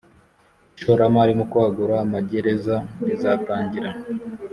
ishoramari mu kwagura amagereza rizatangira